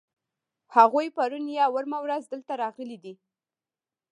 هغوی پرون یا وړمه ورځ دلته راغلي دي.